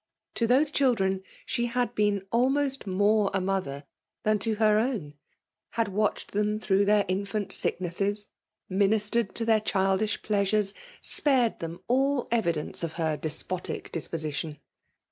To those children she had been almost more a mother than to her bwn ; had watched them through their infant sicknesses ; ministered to their childish pleasures; spared them all evidence of her despotic disposition.